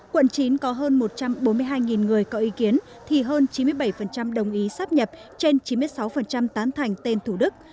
quận chín có hơn một trăm bốn mươi hai người có ý kiến thì hơn chín mươi bảy đồng ý sắp nhập trên chín mươi sáu tán thành tên thủ đức